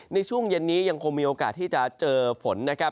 ในช่วงเย็นนี้ยังคงมีโอกาสที่จะเจอฝนนะครับ